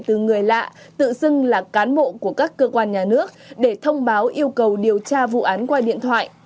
từ người lạ tự xưng là cán bộ của các cơ quan nhà nước để thông báo yêu cầu điều tra vụ án qua điện thoại